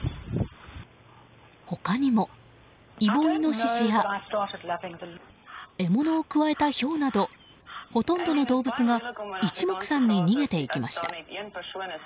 他にもイボイノシシや獲物をくわえたヒョウなどほとんどの動物が一目散に逃げていきました。